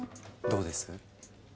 どうです？